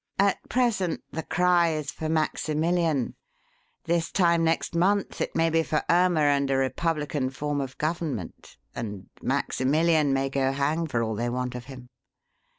At present the cry is for Maximillian; this time next month it may be for Irma and a republican form of government, and Maximillian may go hang for all they want of him.